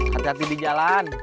hati hati di jalan